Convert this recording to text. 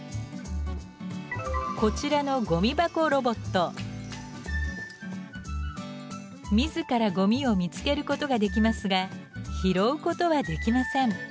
こちらのみずからゴミを見つけることができますが拾うことはできません。